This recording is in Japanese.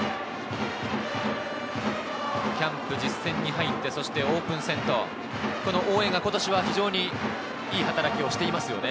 キャンプ、実戦に入ってオープン戦と、この大江が今年は非常にいい働きをしていますね。